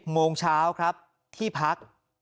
โมงเช้าครับที่พัก